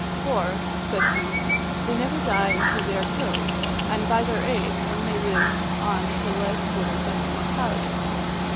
" For," said he, " they never die till they are killed, and by their aid one may live on till life borders on immortality."